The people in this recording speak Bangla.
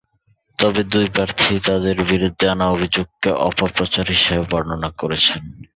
তবে দুই প্রার্থীই তাঁদের বিরুদ্ধে আনা অভিযোগকে অপপ্রচার হিসেবে বর্ণনা করেছেন।